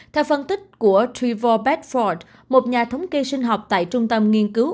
theo phân tích của trevor bedford một nhà thống kê sinh học tại trung tâm nghiên cứu